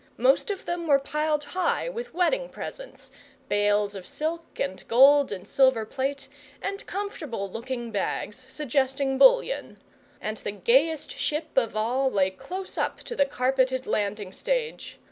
Most of them were piled high with wedding presents bales of silk, and gold and silver plate, and comfortable looking bags suggesting bullion; and the gayest ship of all lay close up to the carpeted landing stage.